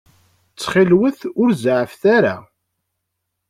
Ttxil-wet, ur zeɛɛfet ara.